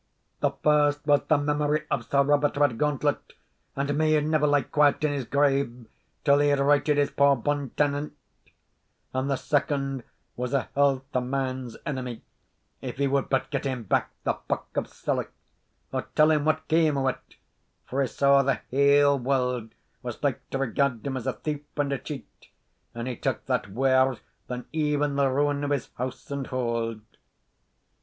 The first was, the memory of Sir Robert Redgauntlet, and may he never lie quiet in his grave till he had righted his poor bond tenant; and the second was, a health to Man's Enemy, if he would but get him back the pock of siller, or tell him what came o' 't, for he saw the haill world was like to regard him as a thief and a cheat, and he took that waur than even the ruin of his house and hauld.